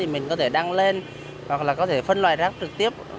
mình có thể đăng lên hoặc có thể phân loại giác trực tiếp